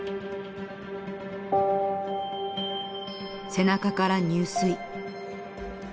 背中から入水。